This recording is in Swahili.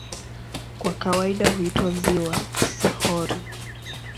Kwa kawaida huitwa "ziwa", si "hori".